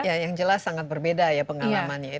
ya yang jelas sangat berbeda ya pengalamannya ya